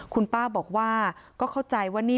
คุณป้าบอกว่าก็เข้าใจว่านี่